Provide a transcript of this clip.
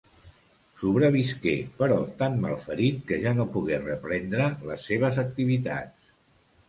Sobrevisqué, però tan malferit que ja no pogué reprendre les seves activitats.